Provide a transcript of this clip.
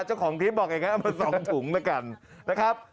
เจ้าของคลิปบอกอย่างนั้นเอามา๒ถุงแล้วกันนะครับ